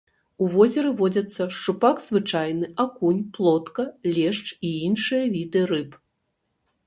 У возеры водзяцца шчупак звычайны, акунь, плотка, лешч і іншыя віды рыб.